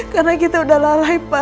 karena kita udah lalai pak